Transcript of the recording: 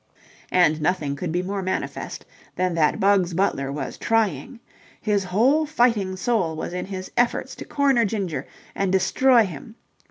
And nothing could be more manifest than that Bugs Butler was trying. His whole fighting soul was in his efforts to corner Ginger and destroy him.